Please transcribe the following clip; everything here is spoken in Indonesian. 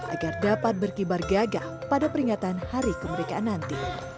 agar dapat berkibar gagah pada peringatan hari kemerdekaan nanti